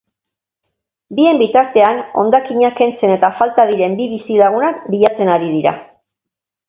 Bien bitartean, hondakinak kentzen eta falta diren bi bizilagunak bilatzen ari dira.